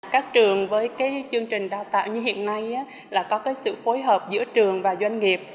các trường với chương trình đào tạo như hiện nay là có cái sự phối hợp giữa trường và doanh nghiệp